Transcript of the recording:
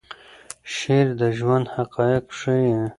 شعر د ژوند حقایق ښیي.